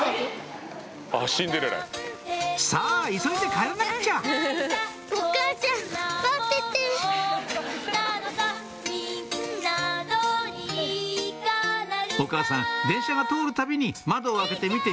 さぁ急いで帰らなくちゃお母さん電車が通るたびに窓を開けて見ていました